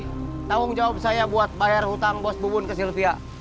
tanggung jawab saya buat bayar hutang bos bubun ke sylvia